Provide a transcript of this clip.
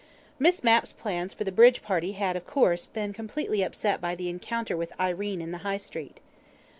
Miss Mapp's plans for the bridge party had, of course, been completely upset by the encounter with Irene in the High Street.